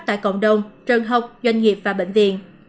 tại cộng đồng trường học doanh nghiệp và bệnh viện